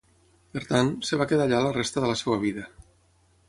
Per tant, es va quedar allà la resta de la seva vida.